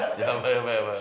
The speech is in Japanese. やばいやばい！